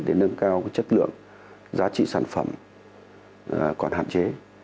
để nâng cao chất lượng giá trị sản phẩm còn hạn chế